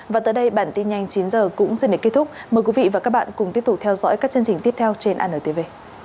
và tới đây bản tin nhanh chín h cũng xin để kết thúc mời quý vị và các bạn cùng tiếp tục theo dõi các chương trình tiếp theo trên antv